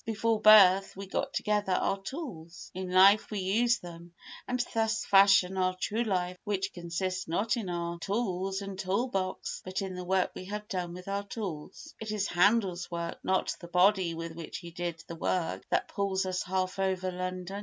Before birth we get together our tools, in life we use them, and thus fashion our true life which consists not in our tools and tool box but in the work we have done with our tools. It is Handel's work, not the body with which he did the work, that pulls us half over London.